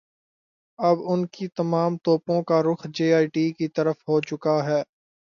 اب ان کی تمام توپوں کا رخ جے آئی ٹی کی طرف ہوچکا ہے۔